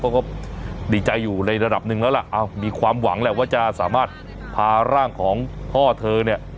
เขาก็ดีใจอยู่ในระดับหนึ่งแล้วล่ะมีความหวังแหละว่าจะสามารถพาร่างของพ่อเธอเนี่ย